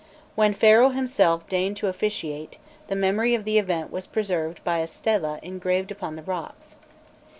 When Pharaoh himself deigned to officiate, the memory of the event was preserved by a stela engraved upon the rocks.